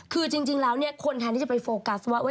คือจริงแล้วคนแทนที่จะไปโฟกัสว่า